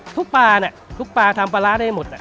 ทุกปลาทั้งปลาทั้งปลาได้หมด